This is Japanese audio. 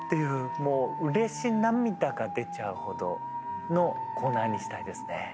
もう嬉し涙が出ちゃうほどのコーナーにしたいですね